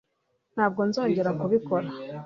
Ntabwo nzongera kubikora